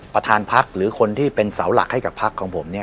ประธานพักหรือคนที่เป็นเสาหลักให้กับพักของผมเนี่ย